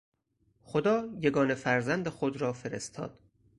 خدا، یگانه فرزند خود را فرستاد.